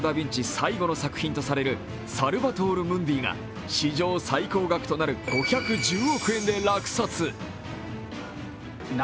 最後の作品とされる「サルバトールムンディ」が史上最高額となる５１０億円で落札。